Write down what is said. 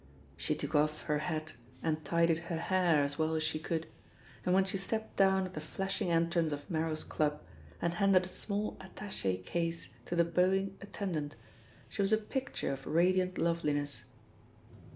She took off her hat and tidied her hair as well as she could, and when she stepped down at the flashing entrance of Merros Club and handed a small attache case to the bowing attendant, she was a picture of radiant loveliness.